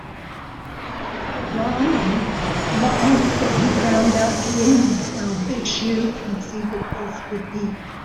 Brahma lied that he found out the end, while Vishnu conceded his defeat.